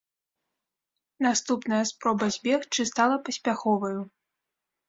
Наступная спроба збегчы стала паспяховаю.